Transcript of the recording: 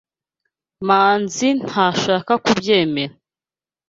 Manzi ntashaka kubyemera.